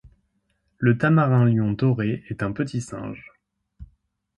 Le tamarin lion doré est un petit singe